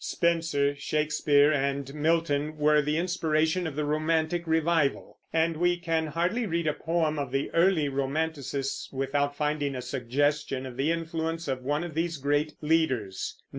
Spenser, Shakespeare, and Milton were the inspiration of the romantic revival; and we can hardly read a poem of the early romanticists without finding a suggestion of the influence of one of these great leaders.